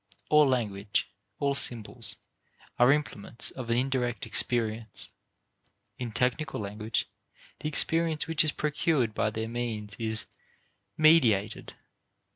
All language, all symbols, are implements of an indirect experience; in technical language the experience which is procured by their means is "mediated."